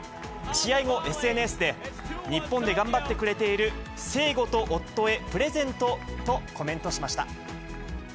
試合後、ＳＮＳで、日本で頑張ってくれている、せいごと夫へ、プレゼントとコメントしました。